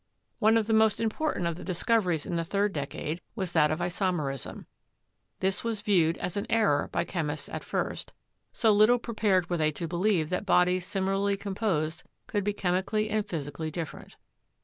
One of the most important of the discoveries in the third decade was that of isomerism. This was viewed as an error by chemists at first, so little prepared were they to believe that bodies similarly composed could be chemically and physically different.